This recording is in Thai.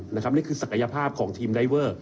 นี่คือศักยภาพของทีมไดเวอร์